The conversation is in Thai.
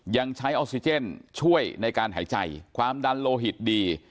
ยังใช้ออกซิเจนช่วยในการหายใจความดันโลหิตดี